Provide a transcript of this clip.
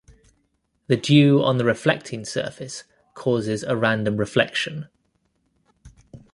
The dew on the reflecting surface causes a random reflection.